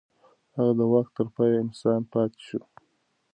هغه د واک تر پای انسان پاتې شو.